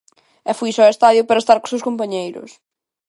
E foise o estadio para estar cos seus compañeiros.